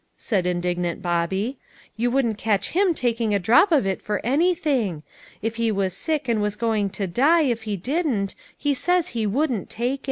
said indignant Bobby. "You wouldn't catch him taking a drop of it for anything. If he was sick and was going to die if he didn't, he says he wouldn't take it.